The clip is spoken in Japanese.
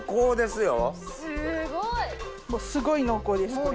すごい濃厚ですこれ。